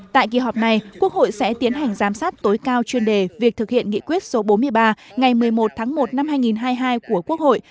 tại kỳ họp này quốc hội sẽ tiến hành giám sát tối cao chuyên đề việc thực hiện nghị quyết số bốn mươi ba ngày một mươi một tháng một năm hai nghìn hai mươi hai của quốc hội